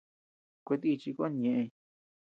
Kuetíchi kon ñeʼey.